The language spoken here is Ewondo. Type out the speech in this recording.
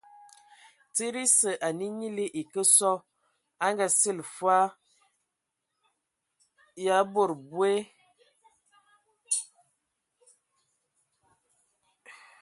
Tsid esǝ, ane nyili e kǝ sɔ, e Ngaa- sili fwe ya bod boe; e fwe ya abə zəə tǝgǝ wog. Bɔ ai Kulu naa : Ndɔ Zǝə a abɔ.